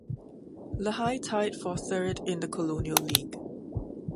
Lehigh tied for third in the Colonial League.